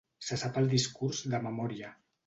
Se sap el discurs de memòria.